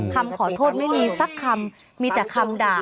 คำขอโทษไม่ดีสักคำมีแต่คำด่า